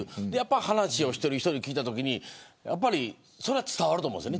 話を一人一人聞いたときにそれは伝わると思うんです。